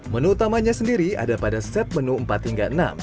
menu utamanya sendiri ada pada set menu empat hingga enam